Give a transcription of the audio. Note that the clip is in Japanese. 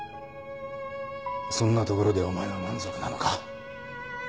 そんなところでお前は満足なのか？